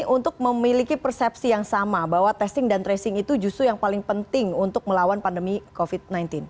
untuk memiliki persepsi yang sama bahwa testing dan tracing itu justru yang paling penting untuk melawan pandemi covid sembilan belas